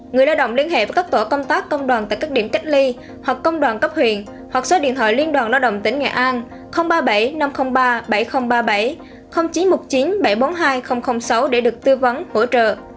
người lao động liên hệ với các tổ công tác công đoàn tại các điểm cách ly hoặc công đoàn cấp huyện hoặc số điện thoại liên đoàn lao động tỉnh nghệ an ba mươi bảy năm trăm linh ba bảy nghìn ba mươi bảy chín trăm một mươi chín bảy trăm bốn mươi hai sáu để được tư vấn hỗ trợ